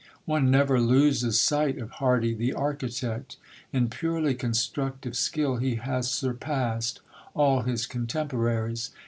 One never loses sight of Hardy the architect. In purely constructive skill he has surpassed all his contemporaries.